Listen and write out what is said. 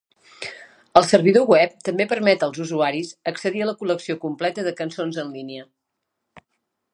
El servidor web també permet als usuaris accedir a la col·lecció completa de cançons en línia.